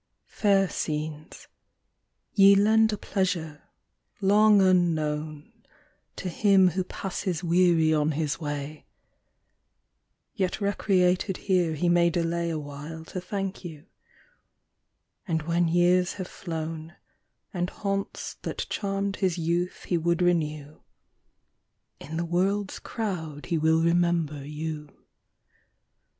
Fair scenes, ye lend a pleasure, long unknown, To him who passes weary on his way; Yet recreated here he may delay A while to thank you; and when years have flown, And haunts that charmed his youth he would renew, In the world's crowd he will remember you.